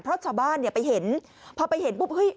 เพราะชาวบ้านเนี่ยไปเห็นพอไปเห็นปุ๊บเฮ้ย